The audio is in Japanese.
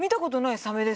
サメです。